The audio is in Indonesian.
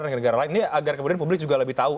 dengan negara lain ini agar kemudian publik juga lebih tahu